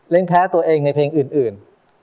แพ้ตัวเองในเพลงอื่น